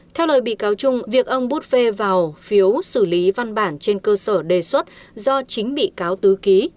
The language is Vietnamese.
theo lời bị cáo trung việc ông bút phê vào phiếu xử lý văn bản trên cơ sở đề xuất do chính bị cáo tứ ký